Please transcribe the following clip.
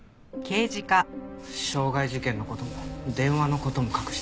傷害事件の事も電話の事も隠してた。